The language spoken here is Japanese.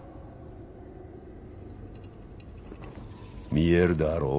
見えるであろう？